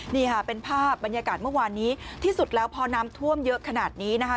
นี่ค่ะเป็นภาพบรรยากาศเมื่อวานนี้ที่สุดแล้วพอน้ำท่วมเยอะขนาดนี้นะคะ